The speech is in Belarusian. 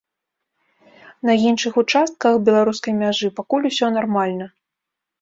На іншых участках беларускай мяжы пакуль усё нармальна.